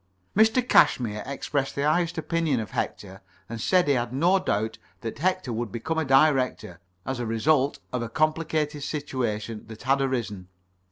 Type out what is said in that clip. Mr. Cashmere expressed the highest opinion of Hector, and said he had no doubt that Hector would become a Director, as a result of a complicated situation that had arisen.